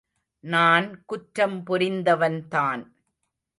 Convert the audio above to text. நான் குற்றம் புரிந்தவன்தான்.